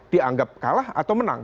dianggap kalah atau menang